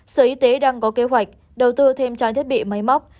sở y tế đang có kế hoạch đầu tư thêm trang thiết bị máy móc